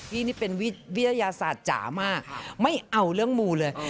นี่เป็นวิทยาศาสตร์จ๋ามากไม่เอาเรื่องมูเลย